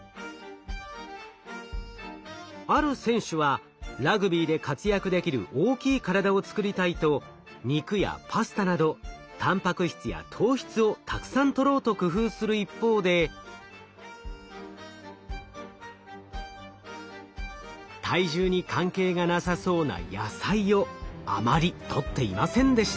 ある選手はラグビーで活躍できる大きい体を作りたいと肉やパスタなどたんぱく質や糖質をたくさんとろうと工夫する一方で体重に関係がなさそうな野菜をあまりとっていませんでした。